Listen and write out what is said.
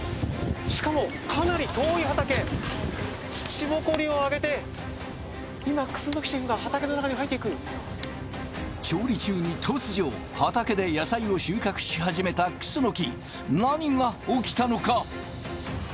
しかもかなり遠い畑土ぼこりを上げて今楠シェフが畑の中に入っていく調理中に突如畑で野菜を収穫し始めた楠何が起きたのか？